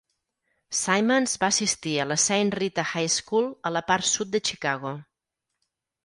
Simmons va assistir a la Saint Rita High School a la part sud de Chicago.